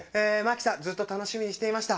ずっと楽しみにしていました。